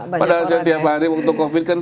banyak orang lain padahal setiap hari waktu covid kan